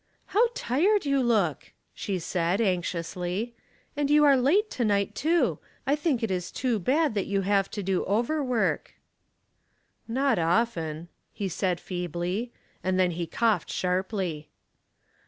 *' How tired you look !" she said, anxiously. " And you are late to night, too. I think it is too bad that you have to do over work." "Not often," he said, feebly; and then he coughed sharply.